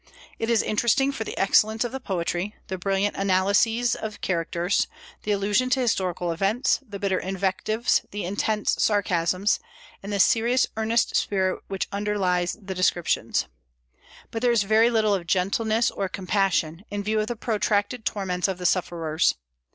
It is interesting for the excellence of the poetry, the brilliant analyses of characters, the allusion to historical events, the bitter invectives, the intense sarcasms, and the serious, earnest spirit which underlies the descriptions. But there is very little of gentleness or compassion, in view of the protracted torments of the sufferers.